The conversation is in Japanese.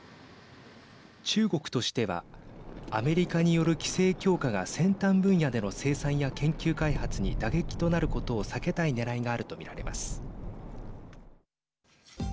中国としてはアメリカによる規制強化が先端分野での生産や研究開発に打撃となることを避けたいねらいがあると見られます。